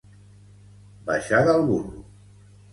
Baixar del burro.